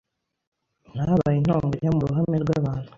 Habaye intonganya mu ruhame rwabantu